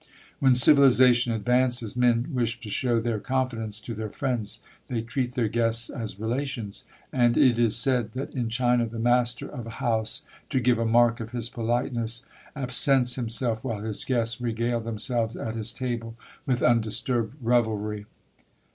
When civilization advances, men wish to show their confidence to their friends: they treat their guests as relations; and it is said that in China the master of a house, to give a mark of his politeness, absents himself while his guests regale themselves at his table with undisturbed revelry.